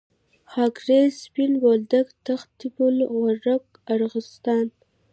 خاکریز، سپین بولدک، تخته پل، غورک، ارغستان.